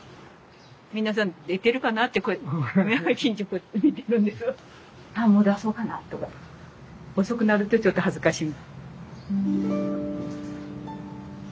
皆さん出てるかなってこうやって近所こうやって見てるんですがああもう出そうかなっとか。遅くなるとちょっと恥ずかしい。